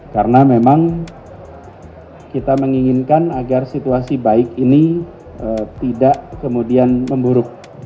karena memang kita menginginkan agar situasi baik ini tidak kemudian memburuk